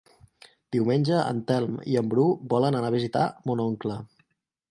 Diumenge en Telm i en Bru volen anar a visitar mon oncle.